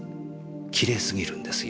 きれいすぎるんですよ